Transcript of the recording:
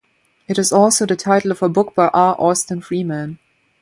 It is also the title of a book by R. Austin Freeman.